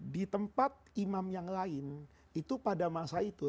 di tempat imam yang lain itu pada masa itu